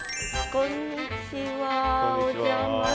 こんにちは。